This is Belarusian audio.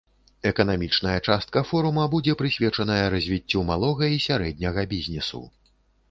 Эканамічная частка форума будзе прысвечаная развіццю малога і сярэдняга бізнесу.